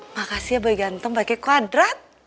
makasih ya boy ganteng pake kwadrat